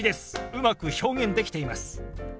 うまく表現できています。